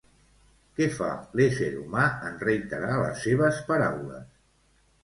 Què fa l'ésser humà en reiterar les seves paraules?